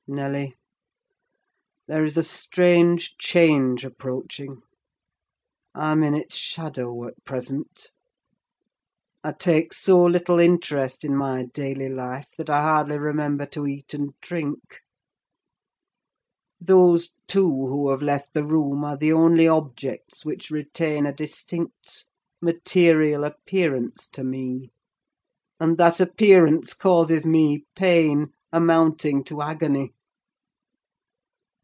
"Nelly, there is a strange change approaching; I'm in its shadow at present. I take so little interest in my daily life that I hardly remember to eat and drink. Those two who have left the room are the only objects which retain a distinct material appearance to me; and that appearance causes me pain, amounting to agony.